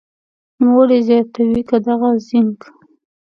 نوموړې زیاتوي که دغه زېنک